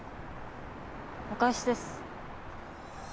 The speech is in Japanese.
お返しです。